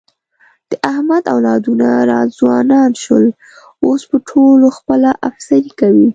د احمد اولادونه را ځوانان شول، اوس په ټولو خپله افسري کوي.